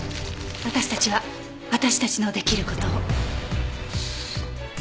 私たちは私たちの出来る事を。